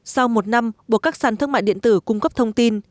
sau một năm buộc các sản thương mại điện tử cung cấp thông tin